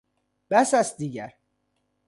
بس است دیگر